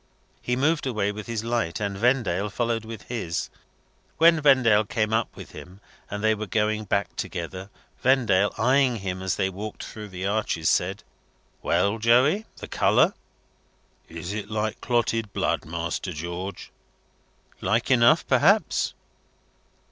He moved away with his light, and Vendale followed with his. When Vendale came up with him, and they were going back together, Vendale, eyeing him as they walked through the arches, said: "Well, Joey? The colour." "Is it like clotted blood, Master George?" "Like enough, perhaps."